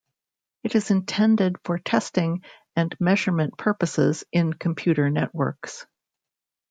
It is intended for testing and measurement purposes in computer networks.